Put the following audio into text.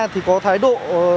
thì có thái độ